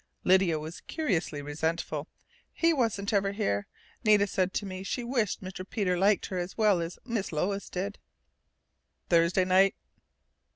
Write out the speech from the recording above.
_" Lydia was curiously resentful. "He wasn't ever here. Nita said to me she wished Mr. Peter liked her as well as Mis' Lois did." "Thursday night?"